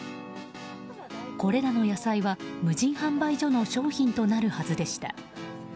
これらの野菜は無人販売所の商品となるはずでした。